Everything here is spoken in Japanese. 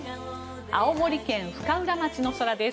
青森県深浦町の空です。